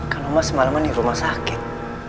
kan oma semaleman di rumah sakit